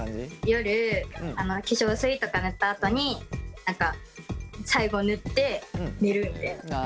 夜化粧水とか塗ったあとに最後塗って寝るみたいな。